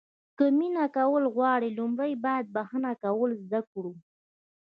که مینه کول غواړو لومړی باید بښنه کول زده کړو.